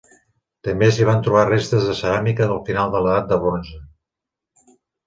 També s'hi van trobar restes de ceràmica del final de l'edat del bronze.